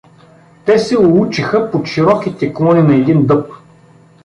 Те се улучиха под широките клони на един дъб.